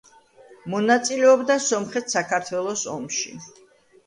მონაწილეობდა სომხეთ-საქართველოს ომში.